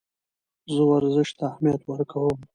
زه ورزش ته اهمیت ورکوم.